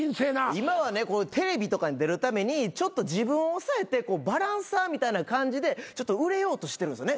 今はねテレビとかに出るためにちょっと自分を抑えてバランサーみたいな感じでちょっと売れようとしてるんですよね